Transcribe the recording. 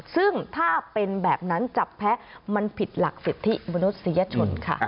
ซึ่งถ้าเป็นแบบนั้นจับแพ้มันผิดหลักสิทธิมนุษยชนค่ะ